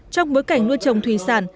trong bối cảnh nuôi trồng thủy sản